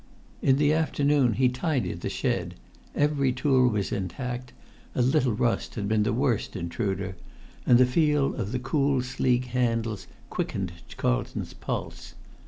In the afternoon he tidied the shed. Every tool was intact; a little rust had been the worst intruder; and the feel of the cool sleek handles quickened Carlton's pulse.